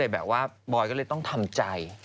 แบบว่าบอยก็เลยต้องทำใจ